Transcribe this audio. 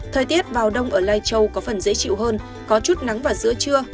thời tiết vào đông ở lai châu có phần dễ chịu hơn có chút nắng vào giữa trưa